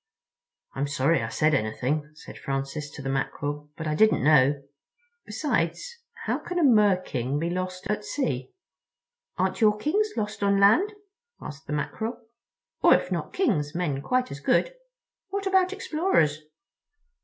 "I'm sorry I said anything," said Francis to the Mackerel, "but I didn't know. Besides, how can a Mer king be lost at sea?" "Aren't your Kings lost on land?" asked the Mackerel, "or if not Kings, men quite as good? What about explorers?"